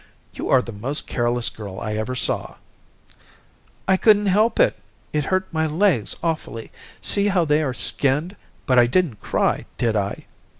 "You are the most careless girl I ever saw." "I couldn't help it. It hurt my legs awfully. See how they are skinned, but I didn't cry, did I?"